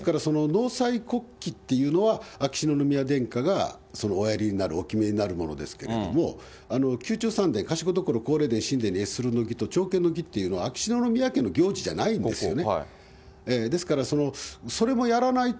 ですから、納采、告期っていうのは秋篠宮殿下がおやりになる、お決めになるものですけれども、宮中三殿皇霊殿神殿に謁するの儀というのは謁するの儀と、朝見の儀というのは秋篠宮家の行事じゃないんですよね。